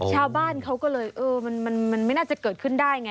ชาวบ้านเขาก็เลยเออมันไม่น่าจะเกิดขึ้นได้ไง